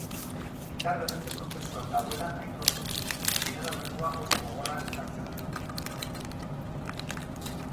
Indarberritze prozesuan dagoela aitortu digu, finalaurrekoa oso gogorra izan zelako.